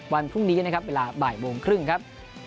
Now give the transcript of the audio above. วันพรุ่งนี้นะครับเวลาบ่ายโมงครึ่งครับ